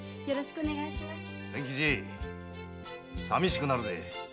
さびしくなるぜ。